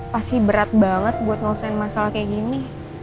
pasti berat banget buat ngelesain masalah kayak gini